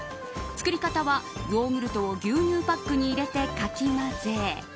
作り方はヨーグルトを牛乳パックに入れてかきまぜ